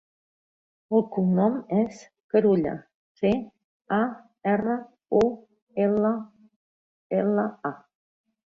El cognom és Carulla: ce, a, erra, u, ela, ela, a.